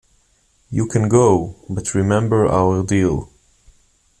You can go, but remember our deal.